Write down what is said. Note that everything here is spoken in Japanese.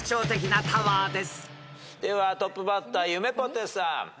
ではトップバッターゆめぽてさん。